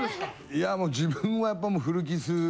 いやもう自分はやっぱ古傷が。